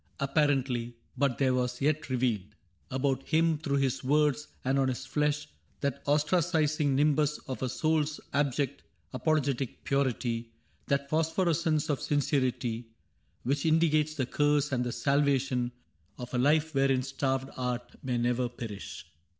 Apparently ; but there was yet revealed About him, through his words and on his flesh, Th^t ostracizing nimbus of a souPs Abject, apologetic purity — That phosphorescence of sincerity — Which indicates the curse and the salvation Of a life wherein starved art may never perish.